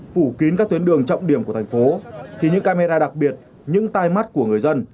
phủ kín các tuyến đường trọng điểm của thành phố thì những camera đặc biệt những tai mắt của người dân